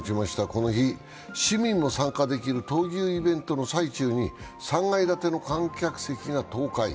この日、市民も参加できる闘牛イベントの最中に３階建ての観客席が倒壊。